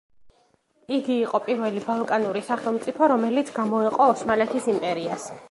იგი იყო პირველი ბალკანური სახელმწიფო, რომელიც გამოეყო ოსმალეთის იმპერიას.